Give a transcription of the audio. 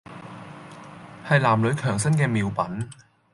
係男女強身嘅妙品